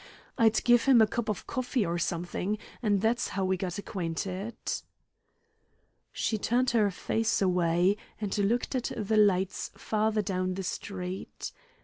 I'd give him a cup of coffee or something, and that's how we got acquainted." She turned her face away, and looked at the lights farther down the street.